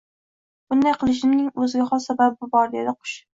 — Bunday qilishimning o‘ziga xos sababi bor, — debdi Qush